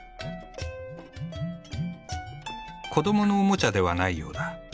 「コドモ」のおもちゃではないようだ。